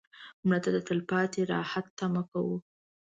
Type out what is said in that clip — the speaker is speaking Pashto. مړه ته د تلپاتې راحت تمه کوو